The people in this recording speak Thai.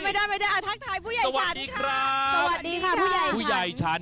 ไม่ได้อ่ะทักทายผู้ใหญ่ฉันสวัสดีครับ